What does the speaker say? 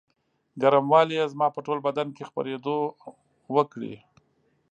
ګرموالي یې زما په ټول بدن کې خپرېدو وکړې.